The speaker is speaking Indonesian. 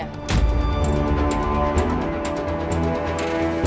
aku mau ke rumah